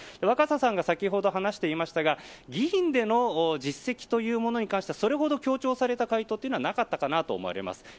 若狭さんが先ほど話していましたが議員での実績というものに関してはそれほど強調された回答はなかったと思われます。